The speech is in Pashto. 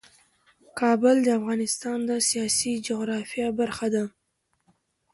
کابل د افغانستان د سیاسي جغرافیه برخه ده.